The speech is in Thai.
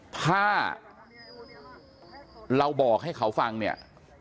ถ้าเราบอกให้เขาฟังเนี่ย